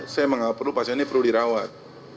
saya menganggap pasien ini perlu dirawat